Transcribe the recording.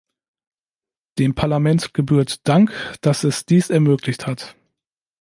Dem Parlament gebührt Dank, dass es dies ermöglicht hat.